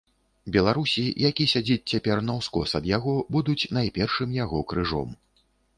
Беларусі, які сядзіць цяпер наўскос ад яго, будуць найпершым яго крыжом.